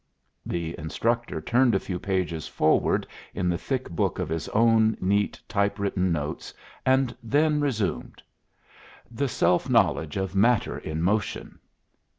The instructor turned a few pages forward in the thick book of his own neat type written notes and then resumed, "The self knowledge of matter in motion."